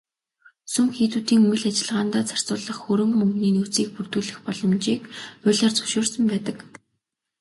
Сүм хийдүүдийн үйл ажиллагаандаа зарцуулах хөрөнгө мөнгөний нөөцийг бүрдүүлэх боломжийг хуулиар зөвшөөрсөн байдаг.